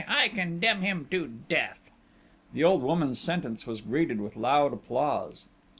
I condemn him to death!..." The old woman's sentence was greeted with loud applause.